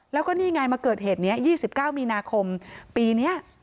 แล้วก็นี่ไงมาเกิดเหตุนี้๒๙มีนาคมปีนี้